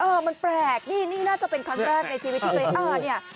มันแปลกนี่นี่น่าจะเป็นครั้งแรกในชีวิตที่เคยอ่าเนี่ย